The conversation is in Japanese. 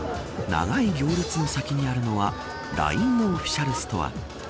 長い行列の先にあるのはＬＩＮＥのオフィシャルストア。